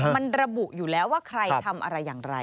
มันระบุอยู่แล้วว่าใครทำอะไรอย่างไร